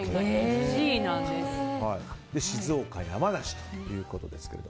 次いで静岡、山梨ということです。